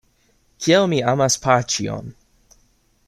Kiel mi amas paĉjon!